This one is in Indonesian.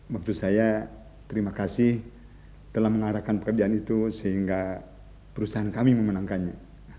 maksud saya terima kasih telah mengarahkan pekerjaan itu sehingga perusahaan kami memenangkannya